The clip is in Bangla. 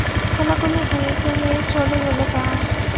কোলাকুলি হয়ে গেলে চলে গেল কানাই।